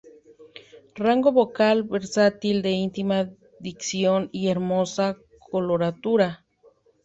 Rango vocal versátil de íntima dicción y hermosa coloratura.